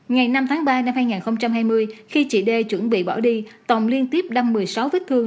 ngày năm tháng ba năm hai nghìn hai mươi khi chị d chuẩn bị bỏ đi tòng liên tiếp đâm một mươi sáu vít thương